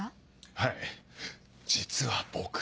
はい実は僕。